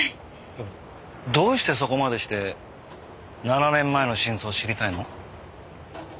どうしてそこまでして７年前の真相を知りたいの？